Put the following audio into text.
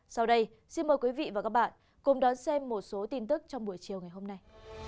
sau đây xin mời quý vị và các bạn cùng đón xem một số tin tức trong buổi chiều ngày hôm nay